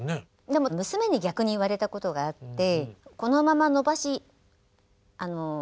でも娘に逆に言われたことがあって。